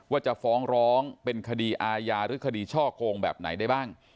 ว่าจะฟ้องร้องเป็นคดีอาญาหรือคดีช่อโกงแบบไหนได้บ้าง